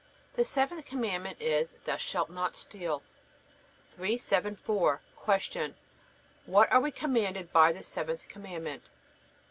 The seventh Commandment is: Thou shalt not steal. 374. Q. What are we commanded by the seventh Commandment?